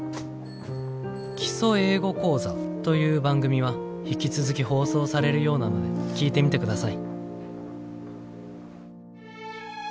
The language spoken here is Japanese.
『基礎英語講座』という番組は引き続き放送されるようなので聴いてみてください」。